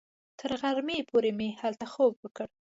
تر غرمې پورې مو هلته خوب وکړ.